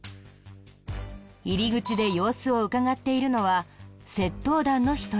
入り口で様子をうかがっているのは窃盗団の一人。